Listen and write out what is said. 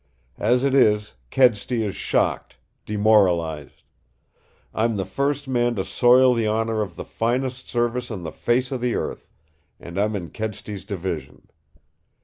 As it is, Kedsty is shocked, demoralized. I'm the first man to soil the honor of the finest Service on the face of the earth, and I'm in Kedsty's division.